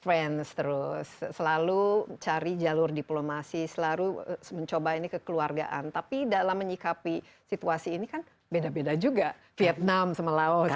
friends terus selalu cari jalur diplomasi selalu mencoba ini kekeluargaan tapi dalam menyikapi situasi ini kan beda beda juga vietnam sama laos